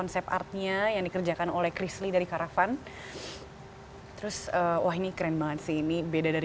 swap artnya yang dikerjakan oleh chris lee dari caravan heaven terus wah ini keren banget sih ini beda dari